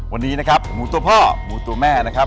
วันนี้นะครับหมูตัวพ่อหมูตัวแม่นะครับ